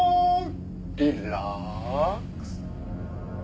リラックス。